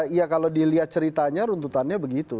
ya kalau dilihat ceritanya runtutannya begitu